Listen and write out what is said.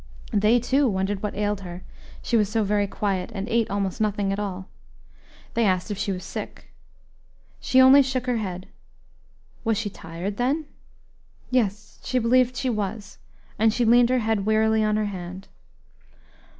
They, too, wondered what ailed her, she was so very quiet and ate almost nothing at all. They asked if she was sick. She only shook her head. "Was she tired, then?" "Yes, she believed she was," and she leaned her head wearily on her hand.